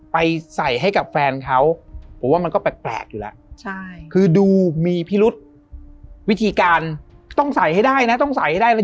ไปใส่ให้กับแฟนเขาผมว่ามันก็แปลกอยู่แล้วคือดูมีพิรุษวิธีการต้องใส่ให้ได้นะต้องใส่ให้ได้เลย